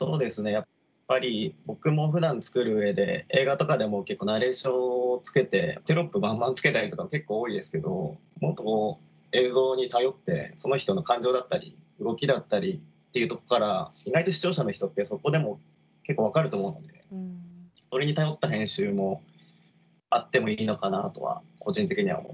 やっぱり僕もふだん作る上で映画とかでも結構ナレーションを付けてテロップバンバン付けたりとかも結構多いですけどもっと映像に頼ってその人の感情だったり動きだったりっていうとこから意外と視聴者の人ってそこでも結構分かると思うのでそれに頼った編集もあってもいいのかなとは個人的には思います。